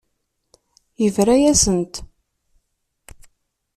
Yebra-yasent.